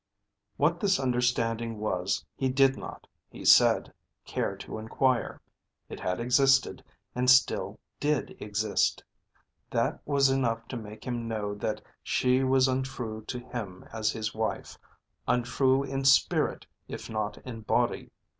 What this understanding was he did not, he said, care to inquire. It had existed and still did exist. That was enough to make him know that she was untrue to him as his wife, untrue in spirit if not in body.